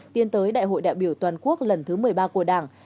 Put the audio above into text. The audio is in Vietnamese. tiến tới đại hội đại biểu toàn quốc lần thứ một mươi ba của đảng